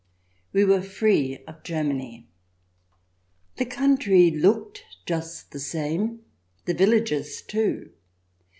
We were free of Germany ! The country looked just the same — the villages too.